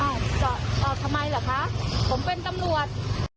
อ้าวทำไมเหรอคะผมเป็นตำรวจ